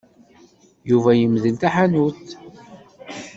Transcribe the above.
Yuba yemdel taḥanut.